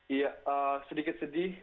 iya sedikit sedih